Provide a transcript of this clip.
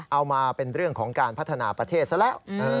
เอามาเป็นเรื่องของการพัฒนาประเทศซะแล้ว